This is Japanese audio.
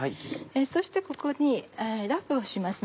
そしてここにラップをします。